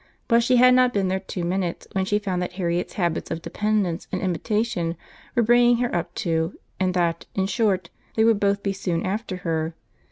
But she had not been there two minutes when she found that Harriet's habits of dependence and imitation were bringing her up too, and that, in short, they would both be soon after her.